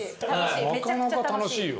なかなか楽しいよ。